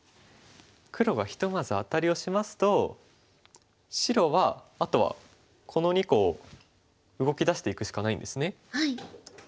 黒がひとまずアタリをしますと白はあとはこの２個を動きだしていくしかないんですね。